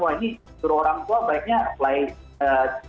wah ini suruh orang tua baiknya apply test